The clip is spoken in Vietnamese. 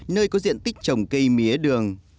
nơi có diện tích trồng cây mía đường